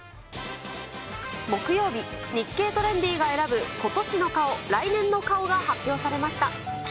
木曜日、日経トレンディが選ぶ今年の顔、来年の顔が発表されました。